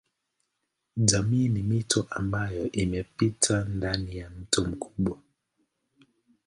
Jamii ni mito ambayo inapita ndani ya mto mkubwa.